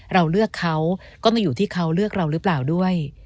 เราเลือกเขาก็มาอยู่ที่เขาเลือกเราหรือเปล่าด้วย